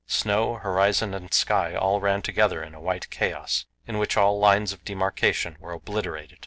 Snow, horizon and sky all ran together in a white chaos, in which all lines of demarcation were obliterated.